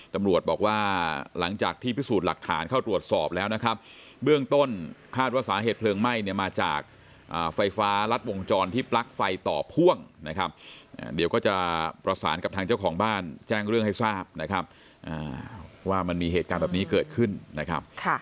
ตำรวจบอกว่าหลังจากที่พิสูจน์หลักฐานเข้าตรวจสอบแล้วนะครับเบื้องต้นคาดว่าสาเหตุเพลิงไหม้เนี่ยมาจากไฟฟ้ารัดวงจรที่ปลั๊กไฟต่อพ่วงนะครับเดี๋ยวก็จะประสานกับทางเจ้าของบ้านแจ้งเรื่องให้ทราบนะครับว่ามันมีเหตุการณ์แบบนี้เกิดขึ้นนะครับ